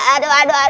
aduh aduh aduh